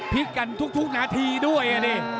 พลิกกันทุกนาทีด้วยนี่